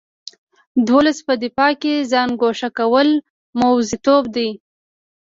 د ولس په دفاع کې ځان ګوښه کول موزیتوب دی.